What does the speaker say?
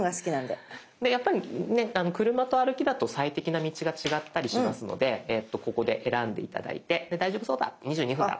でやっぱりね車と歩きだと最適な道が違ったりしますのでここで選んで頂いてで大丈夫そうだ２２分だ。